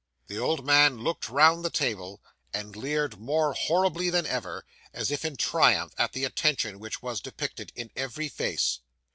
The old man looked round the table, and leered more horribly than ever, as if in triumph, at the attention which was depicted in every face.